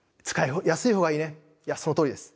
いやそのとおりです。